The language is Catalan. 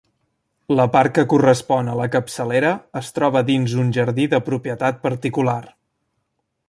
La part que correspon a la capçalera es troba dins un jardí de propietat particular.